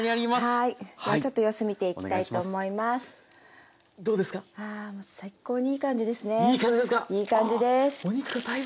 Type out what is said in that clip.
いい感じです。